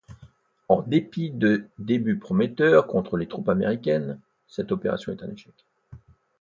En dépit de débuts prometteurs contre les troupes américaines, cette opération est un échec.